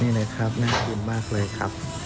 นี่เลยครับน่ากินมากเลยครับ